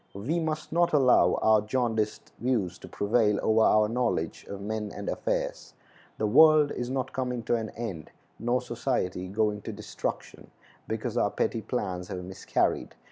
We must not allow our jaundiced views to prevail over our knowledge of men and affairs. The world is not coming to an end, nor society going to destruction, because our petty plans have miscarried.